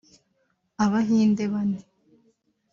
Abahinde bane